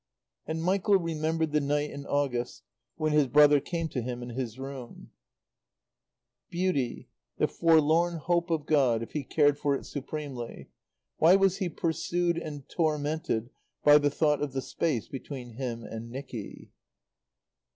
And Michael remembered the night in August when his brother came to him in his room. Beauty the Forlorn Hope of God if he cared for it supremely, why was he pursued and tormented by the thought of the space between him and Nicky?